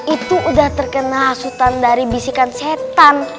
itu udah terkena hasutan dari bisikan setan